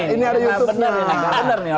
ini ada youtube